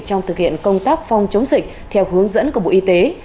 trong thực hiện công tác phòng chống dịch theo hướng dẫn của bộ y tế